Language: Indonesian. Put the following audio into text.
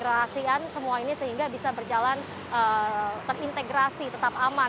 ini adalah integrasian semua ini sehingga bisa berjalan terintegrasi tetap aman